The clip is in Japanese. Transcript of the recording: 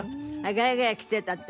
「ガヤガヤ来て」なんて。